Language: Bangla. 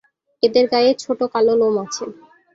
এদের গায়ে ছোট কালো লোম আছে।